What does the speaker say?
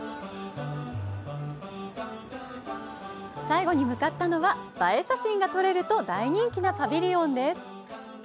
最後に向かったのは映え写真が撮れると大人気なパビリオンです。